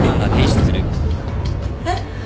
えっ？